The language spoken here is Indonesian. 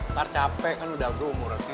ntar capek kan udah umur umur aja